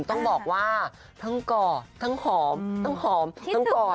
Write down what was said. ต้องบอกว่าทั้งกอดทั้งหอมทั้งหอมทั้งกอด